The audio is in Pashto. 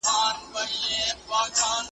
هيبت پروت دی دې لاسوکي `